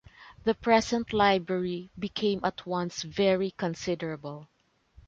The present Library became at once very considerable.